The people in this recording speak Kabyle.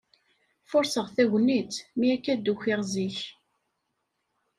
Furṣeɣ tagnit, mi akka d-ukiɣ zik.